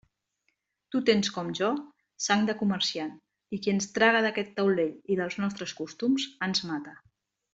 Tu tens, com jo, sang de comerciant, i qui ens traga d'aquest taulell i dels nostres costums, ens mata.